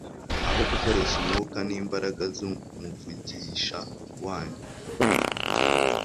aho gukoresha umwuka n'imbaraga z'Umuvigisha wanyu.